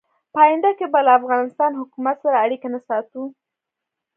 په آینده کې به له افغانستان حکومت سره اړیکې نه ساتو.